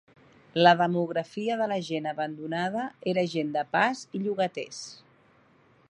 La demografia de la gent abandonada era gent de pas i llogaters.